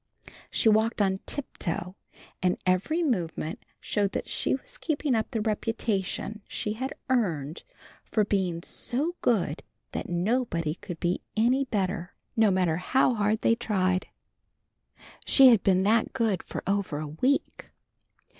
She walked on tiptoe, and every movement showed that she was keeping up the reputation she had earned of being "so good that nobody could be any better, no matter how hard he tried." She had been that good for over a week.